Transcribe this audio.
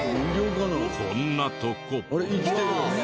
こんなとこ。